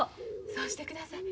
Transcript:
そうしてください。